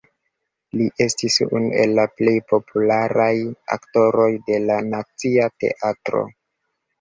Li estis unu el la plej popularaj aktoroj de la Nacia Teatro.